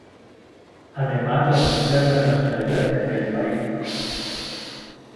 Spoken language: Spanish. Además, obtendría la nacionalidad de aquel país.